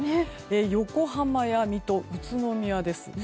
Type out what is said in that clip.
横浜や水戸、宇都宮です。